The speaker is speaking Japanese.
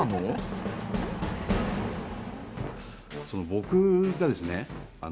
僕がですね